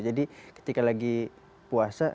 jadi ketika lagi puasa